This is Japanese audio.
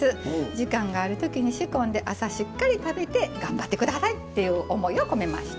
時間がある時に仕込んで朝しっかり食べて頑張って下さいっていう思いを込めました。